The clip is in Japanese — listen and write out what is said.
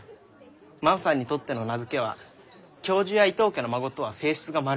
万さんにとっての名付けは教授や伊藤家の孫とは性質がまるで違う。